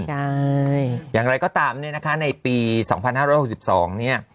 ใช่อย่างไรก็ตามเนี้ยนะคะในปีสองพันห้าร้อยหกสิบสองเนี้ย